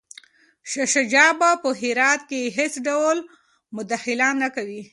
شاه شجاع به په هرات کي هیڅ ډول مداخله نه کوي.